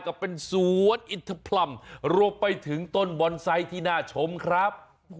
ก็เป็นสวนอินทพรรมรวมไปถึงต้นบอนไซต์ที่น่าชมครับ